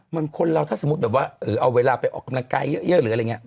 มันคนเราถ้าสมมุติแบบว่าเอาเวลาไปออกกำลังกายเยอะหรืออะไรอย่างนี้